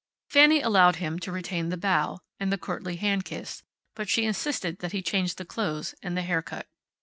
Fanny allowed him to retain the bow, and the courtly hand kiss, but she insisted that he change the clothes and the haircut.